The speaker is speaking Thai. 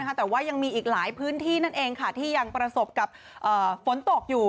แต่ว่ายังมีอีกหลายพื้นที่นั่นเองค่ะที่ยังประสบกับฝนตกอยู่